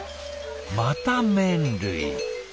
また麺類。